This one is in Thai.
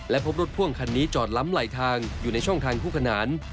พบรถพ่วงคันนี้จอดล้ำไหลทางอยู่ในช่องทางคู่ขนาน